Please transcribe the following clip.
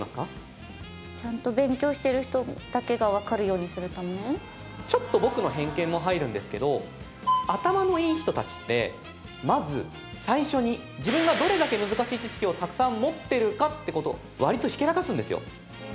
ほうなるほどなるほどそもそもなぜならではこういうちょっと僕の偏見も入るんですけど頭のいい人たちってまず最初に自分がどれだけ難しい知識をたくさん持ってるかってこと割とひけらかすんですよ